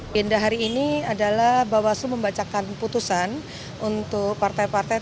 pindah hari ini adalah bawaslu membacakan putusan untuk partai partai